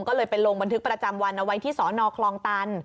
ก็เลยไปลงบันทึกประจำวันเอาไว้ที่สนคลองตัน